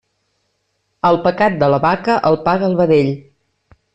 El pecat de la vaca, el paga el vedell.